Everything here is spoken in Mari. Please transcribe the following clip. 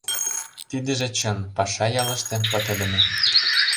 Тидыже чын: паша ялыште пытыдыме.